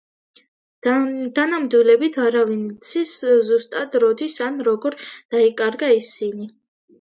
დანამდვილებით არავინ იცის, ზუსტად როდის ან როგორ დაიკარგა ისინი.